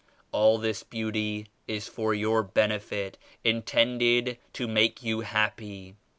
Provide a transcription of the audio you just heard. All this beauty is for your benefit; intended to make you happy.